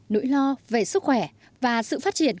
nỗi lo về sức khỏe và sự phát triển